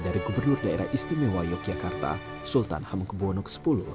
dari gubernur daerah istimewa yogyakarta sultan ham kebuwono x